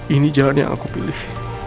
ini jalan yang aku pilih